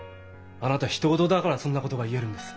あなたひと事だからそんなことが言えるんです。